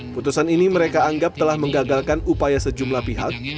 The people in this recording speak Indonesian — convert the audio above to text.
putusan ini mereka anggap telah menggagalkan upaya sejumlah pihak